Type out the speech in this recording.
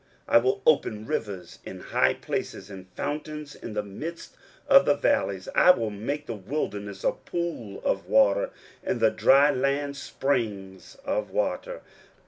23:041:018 I will open rivers in high places, and fountains in the midst of the valleys: I will make the wilderness a pool of water, and the dry land springs of water.